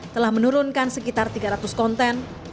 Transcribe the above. telah menurunkan sekitar tiga ratus konten